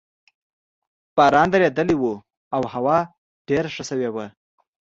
باران درېدلی وو او هوا ډېره ښه شوې وه.